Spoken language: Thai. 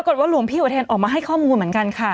กดว่าหลวงพี่บัตเทนขอกลับมีข้อมูลเหมือนกันค่ะ